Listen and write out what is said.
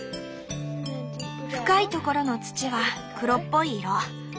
深いところの土は黒っぽい色。